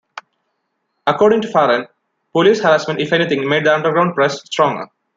According to Farren, Police harassment, if anything, made the underground press stronger.